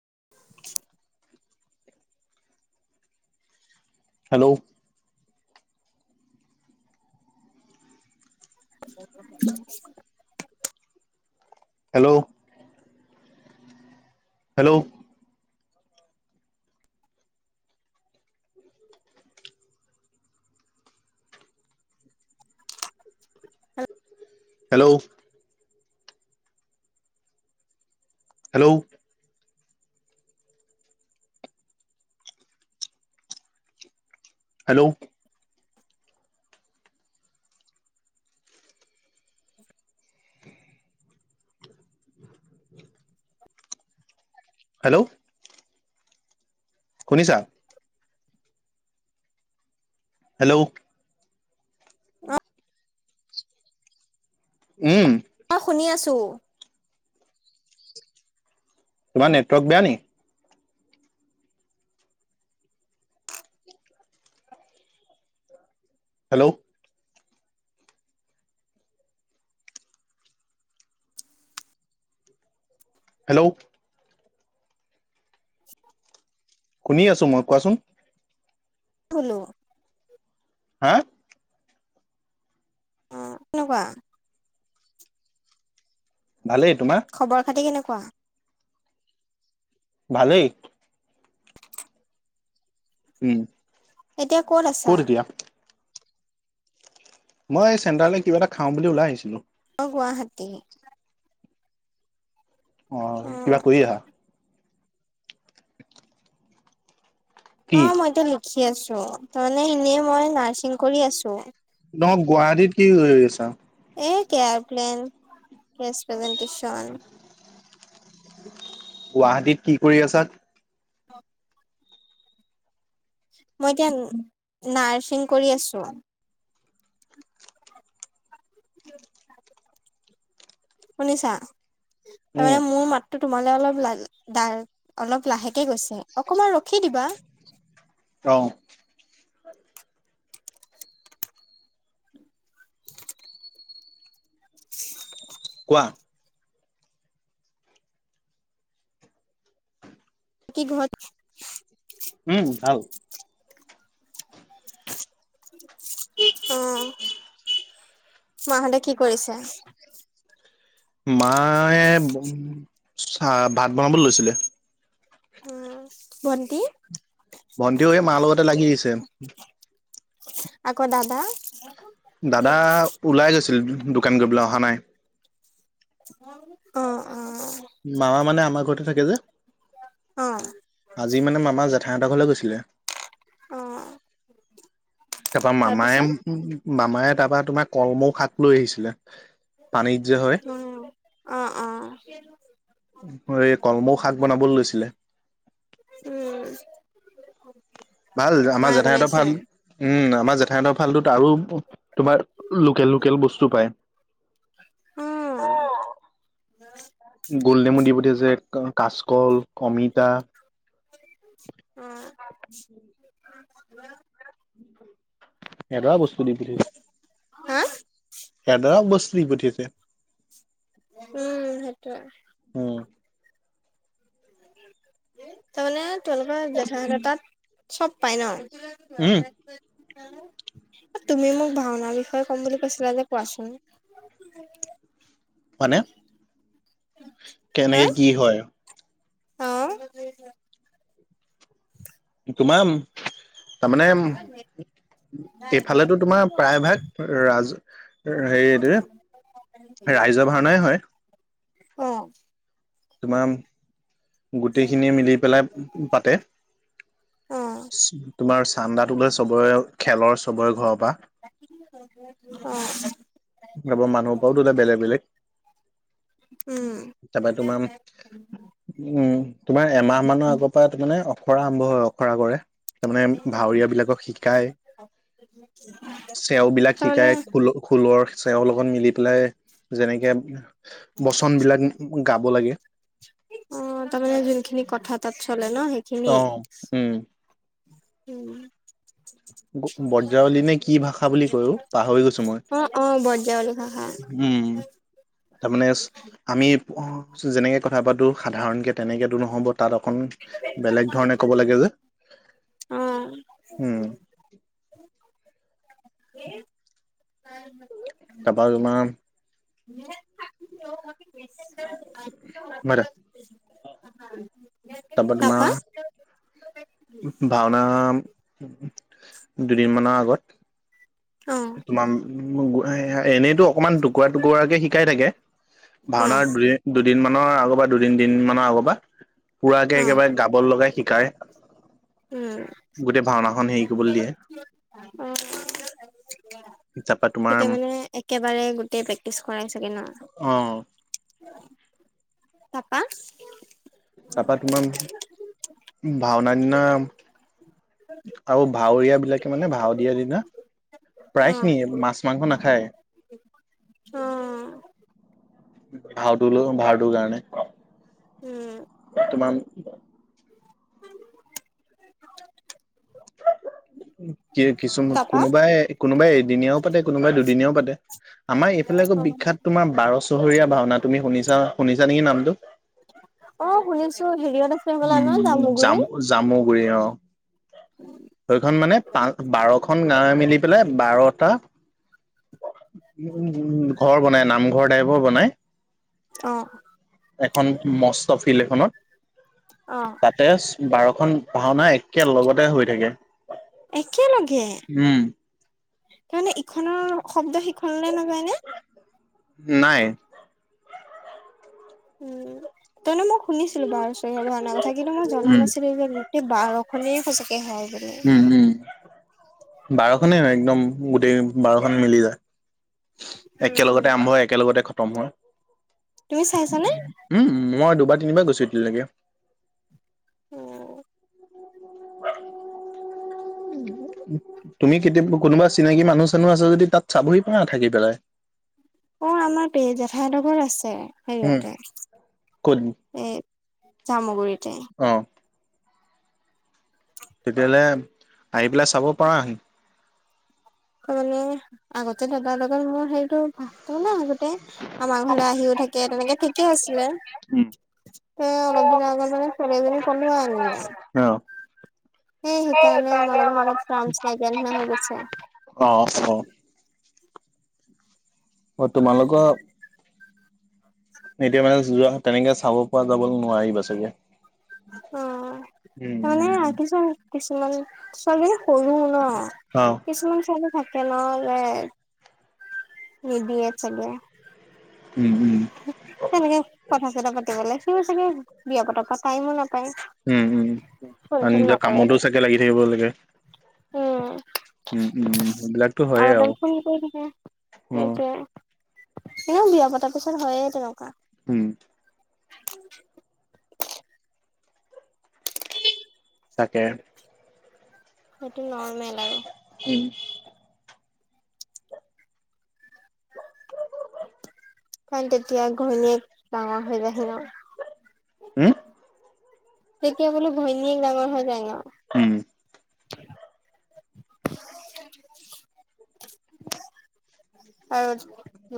[unintelligible] Hello [unintelligible] hello hello hello hello hello hello. শুনিছা? Hello. অঁ। উম' অঁ শুনি আছোঁ। তোমা নেটৱক বেয়া নি। হেল্লৌ' হেল্লৌ' [unintelligible] শুনি আছো মই কোৱাচোন। হুলো- হাঁ। উম' নকুৱা। ভালেই তোমাৰ। খবৰ খাতি কেনেকুৱা? ভালেই। উম' এতিয়া ক'ত আছা? মই এই চেণ্ট্ৰালে কিবা এটা খাওঁ বুলি ওলাই আহিছিলো। অঁ গুৱাহাটী। অঁ অ কিবা কৰি আহা। কি অঁ মইটো লিখি আছোঁ তাৰমানে এনেই মই নাৰ্ছিং কৰি আছো। নহ গুৱাহাটীত কি কৰি আছা? এ কেয়াৰপ্লেন প্ৰেজ প্ৰেজেণ্টেচন। গুৱাহাটীত কি কৰি আছা? অ। মই এতিয়া নাৰ্ছিং কৰি আছো। শুনিছা উম তাৰমানে মোৰ মাত- টো তোমালে অলপ অলপ লাহেকে গৈছে অকমান ৰখি দিবা। অঁ। [unintelligible] [unintelligible] কোৱা কি ঘত- উম' ভাল। অঁহ। মাহঁতে কি কৰিছে? মায়ে চা ভাত বনাবলৈ লৈছিলে। অঁ ভন্তি। ভন্টিও হেই মাৰ লগতে লাগি আহিছে। আকৌ দাদা। দাদা ওলাই গৈছিল দোকান কৰিবলৈ অহা নাই। অ অ মামা মানে আমাৰ ঘৰতে থাকে যে অ আজি মানে মামাৰ জেঠাই হঁতৰ ঘৰলৈ গৈছিলে অ তাৰপৰা মামায়ে তাৰপিছত মামাই তাৰপা তোমাৰ কলমৌ শাক লৈ আহিছিলে পানীত যে হয় উম অহ অহ এই কলমৌ শাক বনাবলৈ লৈছিলে উম ভাল আমাৰ মায়ে জেঠাইহতৰ বনাইছে ভাল উম আমাৰ জেঠাইঁতৰ ফালটোত আৰু তোমাৰ লোকেল লোকেল বস্তু পায় উম গুলনেমু দি পঠিয়াইছে কাচকল অমিতা উম এটা ও বস্তু নিপিন্ধিলে হা এদক বস্তু দি পঠিয়াইছে উম সেইটোয়ে অ তাৰমানে তেওঁলোকৰ জেঠাইহঁতৰ তাত চব পাই ন উম এ তুমি মোক ভাওনাাৰ বিষয়ে ক'ম বুলি কৈছিলা যে কোৱাচোন [inaudible] মানে হা কেনেকে কি হয় অ তোমাৰ তাৰমানে এইফালেতো তোমাৰ প্ৰায় ভাগ ৰাজ হেৰি এ টো কি ৰাইজৰ ভাওনাই হয় অহ তোমাৰ গোটেইখিনিয়ে মিলি পেলাই পাতে অ তোমাৰ চান্দাটোলে চবৰে খেলৰ চবৰে ঘৰৰ পৰা অ আপ মানুহৰ পৰাও দুটা বেলেগ বেলেগ উম তাৰপৰা তোমাৰ উম তোমাৰ এমাহ মানৰ আগৰ পৰা তাৰ মানে আখৰা আৰম্ভ হয় অখৰা কৰে তাৰমানে ভাৱৰীয় বিলাকক শিকাই উম চেওবিলাক শিকাই খোল খোলৰ চেওৰ লগত মিলি পেলাই যেনেকে বচন বিলাক গাব লাগে অ তাৰমানে যোনখিনি কথা তাত চলে ন সেই অ উম উম ব বজ্ৰাৱলী নে কি ভাষা বুলি কয় অ পাহৰি গৈছো মই অ অ বৰজাৱলী ভাষা উম তাৰমানেস আমি যেনেকে কথা পাতো সাধাৰণকে তেনেকেটো নহ'ব তাত অকন বেলেগ ধৰণে ক'ব লাগে যে অ উম [unintelligible] তাৰাপা তোমাৰ [unintelligible] [unintelligible] বাৰ [unintelligible] [inaudible] তাৰপৰা তোমাৰ। তাপা ভাওনা দুদিনমানৰ আগত। অ', তোমাৰ এনে। টো অকনমান টুকুৰা- টুকুৰাকে শিকাই থাকে অ', ভাওনাৰ দু। দুদিনমানানৰ আগৰ পৰা, দুদিন দিন মানৰ আগৰ পৰা। পুৰাকে অ', একেবাৰে গাব লগাই শিকাই, উম, গোটেই ভাওনাখনন হেৰি কৰিবলৈ দিয়ে। উম। তাৰপা তোমাৰ তেতিয়া মানে একেবাৰে গোটেই প্ৰেক্টিচ কৰাই চাগে ন। অঁ। তাৰপা। তাৰাপা তোমাৰ ভাওনা দিনা আৰু। ভাৱৰীয়া বিলাকে মানে ভাৱ দিয়াৰ দিনা প্ৰায় অ', খিনিয়ে মাছ মাংস নাখায়। অঁ। ভাওটো লো ভাওটোৰ কাৰণে। উম। তোমমান [inaudible] কি কিছুমান তাপা কোনোবাই কোনোবাই এদিনীয়াও পাতে কোনোবাই দুদিনীয়াও পাতে। আমাৰ এইফালে আকৌ অ', বিখ্যাত তোমাৰ বাৰ চহৰীয়া ভাওনা তুমি শুনিছা শুনিছা নেকি নামটো। অ শুনিছো, হেৰিয়ত আছে হবলা ন উম জামু জামুগুৰিত। জামুগুৰি অ'। সেইখন মানে পচ বাৰখনন গাঁৱে মিলি পেলাই বাৰটা। উম, ঘৰ বনাই নামঘৰ টাইপৰ বনাই। অঁ। এখন মস্ত ফিল্ড এখনত। অঁ। তাতে বাৰখনন ভাওনা একে লগতে হৈ থাকে। একেলগে, উম তাৰমানে ইখনৰ শব্দ সিখনলৈ নাযায় ন? নাই। উম, তাৰমানে মই শুনিছিলো বাৰচৰিয়া ভাাৰ কথা কিন্তু মই উম জনা নাছিলো যে। ত' বাৰ খনেই সঁচাকে হয় বুলি। উম উম, বাৰখনেই হয় একদম গোটেই বাৰখন মিলি যায়। উম, একেলগতে আৰম্ভ হয়, একেলগতে খতম হয়। তুমি চাইছানে? উম, মই দুবাৰ - তিনিবাৰ গৈছো এতিয়ালৈকে। অঁ। তুমি কেতিয়াবা কোনোবা চিনাকি মানুহ চানুহ আছে যদি তাত চাবহি পাৰা না থাকি পেলাই। অ' আমাৰ বেজেঠাই ঘৰ আছে উম হেৰিয়াতে। ক'ত এই জামুগুৰিতে। অঁ। [inaudible] তেতিয়াহ'লে আহি পেলাই চাব পাৰাহি। ত মানে আগতে দাদাৰ লগত মই হেইটো ভাবো ন আগতে আমাৰ ঘৰলে আহিও থাকে তেনেকে ঠিকে আছিলে তে অলপ দিনৰ আগত মানে ছোৱালী এজনী পলোৱাই আনিলে অ সেই সেইকাৰণে আমাৰ লগত অলপ ক্ৰামচ নাই নাইকিয়া নিচিনা হৈ গৈছে। অ অ অ তোমালোকক এতিয়া মানে যোৱা তেনেকে চাব পৰা যাবলে নোৱাৰিবা চাগে অ' উম উম তাৰমানে কিছুমান কিছুমান ছোৱালীজনী সৰু ন অ কিছুমান ছোৱালী থাকে ন যে নিদিয়ে চাগে উম', উম তেনেকে কথা চথা পাতিব লে সিও চাগে বিয়া পতা পা টাইমো নাপায়। উম', উম ফোন আৰু নিজৰ কামতো চাগে লাগি থাকিব লাগে। অ উম উম সেইবিলাকতো হয়ে আৰু [unintelligible] ফোন কৰি থাকে উম, সেইটোৱে এ বিয়া পতাৰ পিছত হয়ে তেনেকুৱা। উম তাকে সেইটো নৰ্মেল আৰু। উম কাৰণ তেতিয়া ঘৈণীয়েক ডাঙৰ হৈ যায়াহি ন উম তেতিয়া বোলো ঘৈণীয়েক ডাঙৰ হৈ যায় ন। উম [unintelligible] আৰু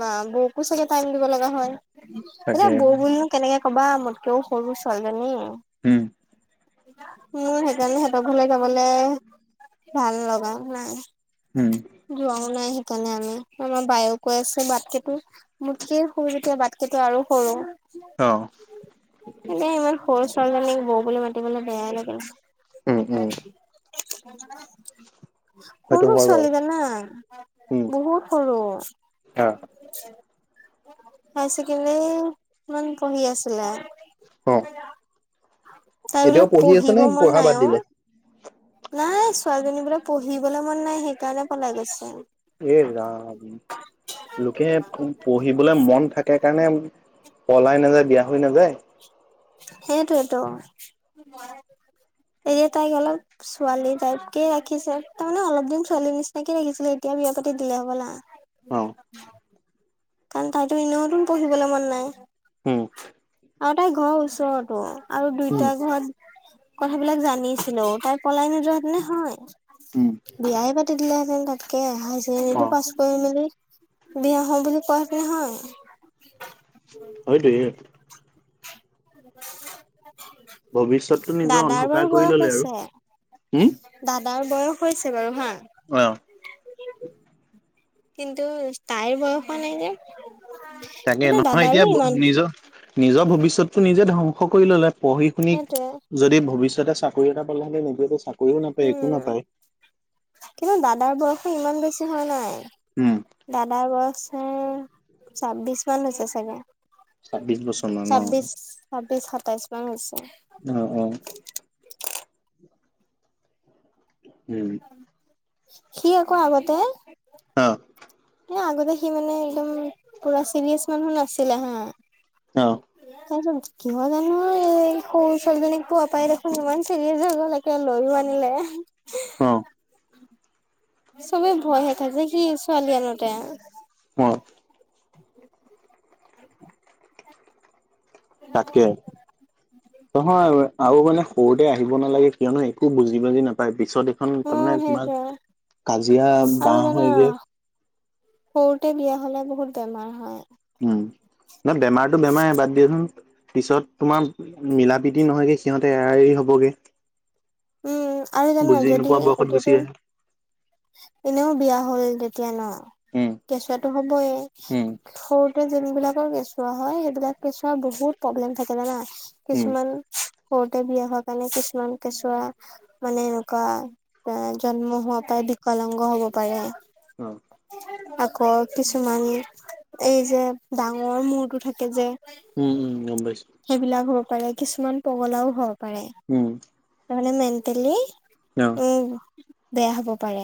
মা বৌকো চাগে টাইম দিব লগা হয় এতিয়া তাকে বৌ কোনো কেনেকে কবা মোতকেও সৰু ছোৱালীজনী। উম উম সেইকাৰণে সিহঁতৰ ঘৰলে যাবলে ভাল লগা নাই। উম, যোৱাও নাই সেইকাৰণে আমি। আমাৰ বায়েও কৈ আছে বাটকেটো মোতকেই সৰু যেতিয়া বাটকেটো আৰু সৰু। অ', এনে ইমান সৰু ছোৱালী জনীক বৌ বুলি মাতিবলে বেয়াই লাগিল। [unintelligible] উম, উম, সেইটো সৰু হয় বাৰু ছোৱালীজনা উম, বহুত সৰু। অ', হাই ছেকেণ্ডাৰী মান পঢ়ি আছিলে। অ', [unintelligible] তাই বোলে এতিয়াও পঢ়ি আছে পঢ়িব নে মন পঢ়া নাই বাদ অ দিলে। নাই ছোৱালীজনী বোলে পঢ়িবলে মন নাই সেইকাৰণে পলাই গৈছে। এই ৰাম লুকেহে- পঢ়িবলে মন থাকে কাৰণে পলাই নাযায় বিয়া হৈ নাযায়। সেইটোয়েটো এতিয়া তাই গলত ছোৱালী টাইপকে ৰাখিছে তাৰ মানে অলপ দিন ছোৱালী নিচিনাকে ৰাখিছিলে এতিয়া বিয়া পাতি দিলে হ'বলা। অ', কাৰণ তাইতো এনেওতোন পঢ়িবলে মন নাই। উম', আৰু তাই ঘৰ ওচৰতো আৰু উম, দুইটা ঘৰত কথাবিলাক জানিছিলেও তাই পলাই নোযোৱা হেতেনে নে হয়। উম', বিয়াই পাতি দিলেহেঁতেন তাতকে হাই ছেকেণ্ডৰীটো অ', পাছ কৰি মেলি বিয়া হম বুলি কোৱা হেতিনে হয়। হয়টো', [inaudible] [unintelligible] ভৱিষ্যতটো নিজৰ দাদাৰ বাৰু অন্ধকাৰ কৰি বয়স ললে আৰু হৈছে হম দাদাৰ বয়স হৈছে বাৰু হা হয় অ কিন্তু তাইৰ বয়স হোৱা নাই যে তাকে কিন্তু নহয় দাদাৰো এতিয়া ইমান নিজৰ নিজৰ ভৱিষ্যতটো নিজে ধ্বংস কৰি ললে পঢ়ি শুনি সেইটোৱে যদি ভৱিষ্যতে চাকৰি এটা পালে হলে নিজেতো চাকৰিও নাপায় একো উম নাপায়। কিন্তু দাদাৰ বয়সো ইমান বেছি হোৱা নাই উম দাদাৰ বয়স চাগে ছাব্বিশ মান হৈছে চাগে ছাব্বিশ বছৰ মান অ ছাব্বিশ অ ছাব্বিশ সাতাইশ মান হৈছে উম উম উম সি আকৌ আগতে অ এ আগতে সি মানে একদম পুৰা চিৰিয়াছ মানুহ নাছিলে হা অ', তাৰপিছত কিয় জানো এই সৰু ছোৱালীজনীক পোৱা পাই দেখোন ইমান চিৰিয়াছ হৈ গল এতিয়া লৈও আনিলে। অ', চবে ভয়হে খাইছে সি ছোৱালী আনোতে অ তাকে নহয় আৰু মানে সৰুতে আহিব নালাগে কিয়নো একো বুজি বুজি নাপায় পিছত খন অ' তাৰমানে তোমাৰ সেইটোৱে কাজিয়া আৰু বাঁহ জানা হয় গে সৰুতে বিয়া হলে বহুত বেমাৰ হয় উম না বেমাৰতটো বেমাৰে বাদ দিয়াচোন পিছত তোমাৰ মিলা প্ৰীতি নহয়গে সিহঁতে এৰা এৰি হবগে উম আৰু জানো বুজি যদি নোপোৱা বয়সত গুচি এতিয়াতো আহে এনেও বিয়া হ'ল তেতিয়া ন উম কেঁচুৱাটো হবই উম, সৰু তে যোনবিলাকৰ কেঁচুৱা হয় সেইবিলাক কেঁচুৱা বহুত প্ৰব্লেম থাকে জানা উম, কিছুমান সৰুতে বিয়া হোৱা কাৰণে কিছুমান কেঁচুৱা মানে এনেকুৱা এ জন্ম হোৱা পৰা বিকলাংগ হব পাৰে উম আকৌ কিছুমান এই যে ডাঙৰ মূৰটো থাকে যে উম উম গম পাইছো সেইবিলাক হ'ব পাৰে কিছুমান পগলাও হ'ব পাৰে উম [unintelligible] মেটলি অ। উম বেয়া হ'ব পাৰে।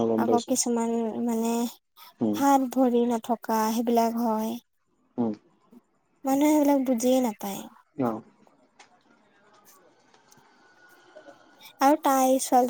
অ', গম আকৌ পাইছো। কিছুমান মানে উম, হাত ভৰি নথকা সেইবিলাক হয়। উম। মানুহে সেইবিলাক বুজিয়ে নাপায়। অ। আৰু তাই ছোৱালজনী